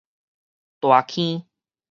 大坑